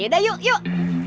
yaudah yuk yuk